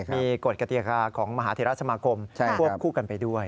มีกฎกติกาของมหาเทราสมาคมควบคู่กันไปด้วย